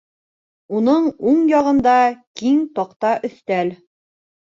Уның уң яғында киң таҡта өҫтәл.